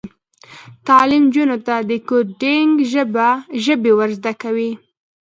تعلیم نجونو ته د کوډینګ ژبې ور زده کوي.